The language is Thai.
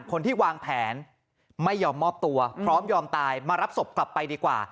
คนที่วางแผนไม่ยอมมอบตัวพร้อมยอมตายมารับศพกลับไปดีกว่า